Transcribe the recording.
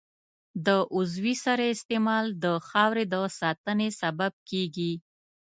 د عضوي سرې استعمال د خاورې د ساتنې سبب کېږي.